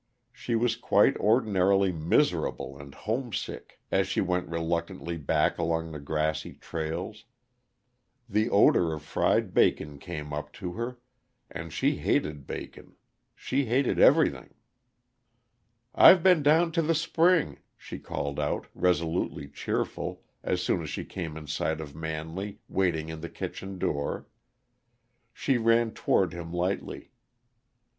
She was quite ordinarily miserable and homesick, as she went reluctantly back along the grassy trails The odor of fried bacon came up to her, and she hated bacon. She hated everything. "I've been to the spring," she called out, resolutely cheerful, as soon as she came in sight of Manley, waiting in the kitchen door; she ran toward him lightly.